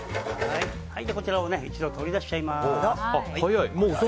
こちらを一度取り出しちゃいます。